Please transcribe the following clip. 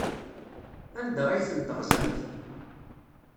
Anda ay tent-teɣzamt?